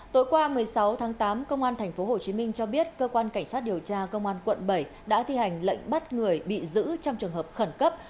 tối qua một mươi sáu tháng tám công an tp hcm cho biết cơ quan cảnh sát điều tra công an quận bảy đã thi hành lệnh bắt người bị giữ trong trường hợp khẩn cấp